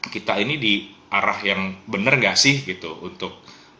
kita ini di arah yang benar gak sih gitu untuk